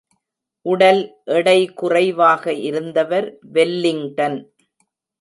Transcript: உடல் எடைகுறைவாக இருந்தவர் வெல்லிங்டன்.